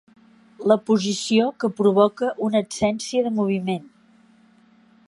La posició que provoca una absència de moviment.